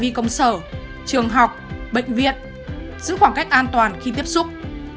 phạm vi công sở trường học bệnh viện giữ khoảng cách an toàn khi tiếp xúc